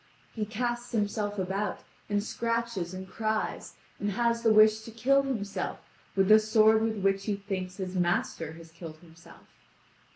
He casts himself about, and scratches and cries, and has the wish to kill himself with the sword with which he thinks his master has killed himself.